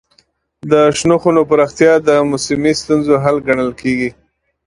د شنو خونو پراختیا د موسمي ستونزو حل ګڼل کېږي.